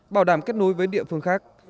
bảo đảm kết nối với địa phương khác